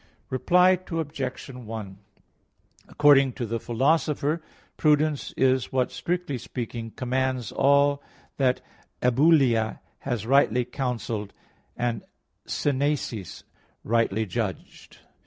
Reply Obj. 1: According to the Philosopher (Ethic. vi, 9, 10), "Prudence is what, strictly speaking, commands all that 'ebulia' has rightly counselled and 'synesis' rightly judged" [*Cf.